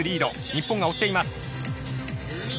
日本が追っています。